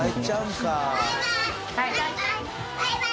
バイバーイ！